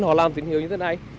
họ làm tình hiệu như thế này